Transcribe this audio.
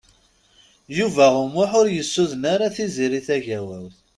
Yuba U Muḥ ur yessuden ara Tiziri Tagawawt.